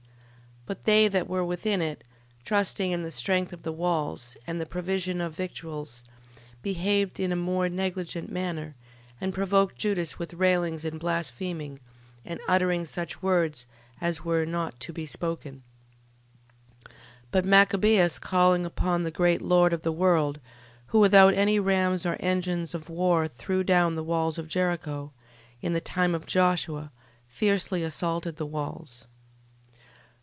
12:14. But they that were within it, trusting in the strength of the walls, and the provision of victuals, behaved in a more negligent manner, and provoked Judas with railing and blaspheming, and uttering such words as were not to be spoken. 12:15. But Machabeus calling upon the great Lord of the world, who without any rams or engines of war threw down the walls of Jericho, in the time of Josue, fiercely assaulted the walls.